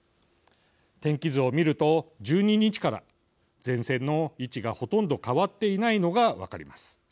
天気図を見ると１２日から前線の位置がほとんど変わっていないのが分かります。